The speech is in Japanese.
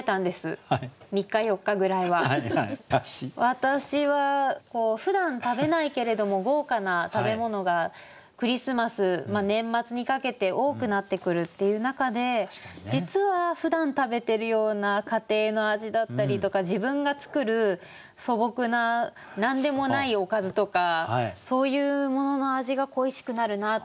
私はふだん食べないけれども豪華な食べ物がクリスマス年末にかけて多くなってくるっていう中で実はふだん食べてるような家庭の味だったりとか自分が作る素朴な何でもないおかずとかそういうものの味が恋しくなるなと。